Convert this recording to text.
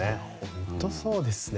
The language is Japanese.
本当にそうですね。